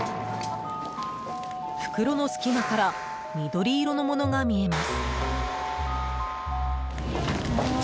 袋の隙間から緑色のものが見えます。